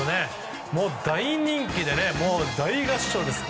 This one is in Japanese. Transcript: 大人気で大合唱です。